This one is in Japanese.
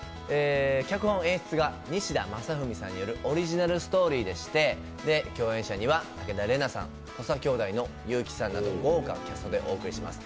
脚本・演出が西田征史さんによるオリジナルストーリーでして共演者には武田玲奈さん、土佐兄弟の有輝さんなど、豪華キャストでお送りします。